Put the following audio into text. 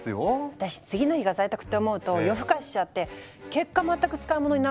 私次の日が在宅って思うと夜更かししちゃって結果全く使い物にならないんだけど。